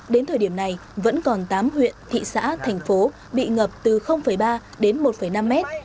đến thời điểm này vẫn còn tám huyện thị xã thành phố bị ngập từ ba đến một năm mét